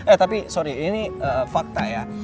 eh tapi sorry ini fakta ya